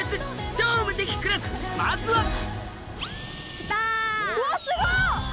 『超無敵クラス』まずは・うわっすごっ！